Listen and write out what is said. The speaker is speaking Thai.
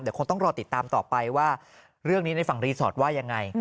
เดี๋ยวคงต้องรอติดตามต่อไปว่าเรื่องนี้ในฝั่งรีสอร์ทว่ายังไง